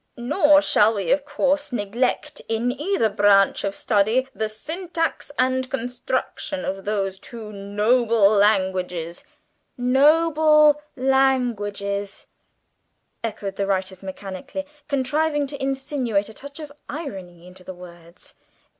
nor shall we, of course, neglect in either branch of study the syntax and construction of those two noble languages" ("noble languages," echoed the writers mechanically, contriving to insinuate a touch of irony into the words).